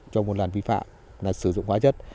cho một làn vi phạm là sử dụng hóa chất